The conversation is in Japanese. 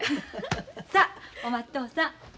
さあお待っ遠さん。